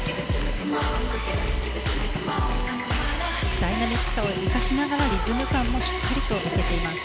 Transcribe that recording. ダイナミックさを生かしながらリズム感もしっかり出しています。